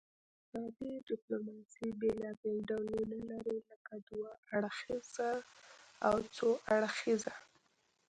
اقتصادي ډیپلوماسي بیلابیل ډولونه لري لکه دوه اړخیزه او څو اړخیزه